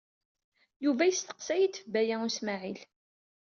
Yuba yesteqsa-yi-d ɣef Baya U Smaɛil.